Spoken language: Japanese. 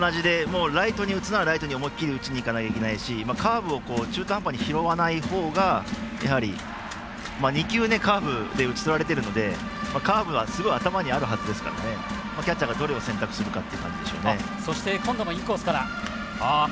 これも同じでライトに打つならライトに思い切り打ちにいかなきゃいけないしカーブを中途半端に拾わないほうがやはり２球カーブで打ちとられているのですごい頭にあるはずですからキャッチャーがどれを選択するかですね。